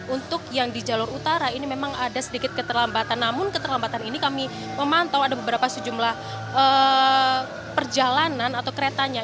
untuk yang di jalur utara ini memang ada sedikit keterlambatan namun keterlambatan ini kami memantau ada beberapa sejumlah perjalanan atau keretanya